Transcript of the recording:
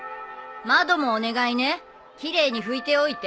窓もお願いね奇麗に拭いておいて。